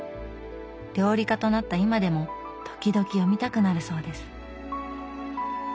料理家となった今でも時々読みたくなるそうです。